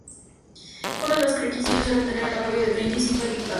Uno de los requisitos era obtener el apoyo de treinta y cinco diputados.